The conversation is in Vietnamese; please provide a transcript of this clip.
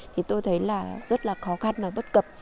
thì tôi thấy là rất là khó khăn và bất cập